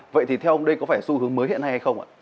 vậy thì theo ông đây có phải xu hướng mới hiện nay hay không ạ